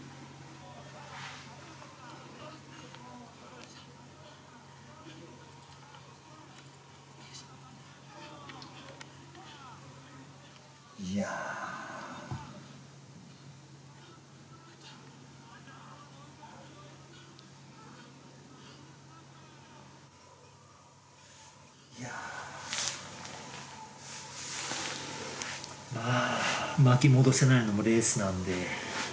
まあ巻き戻せないのもレースなんで。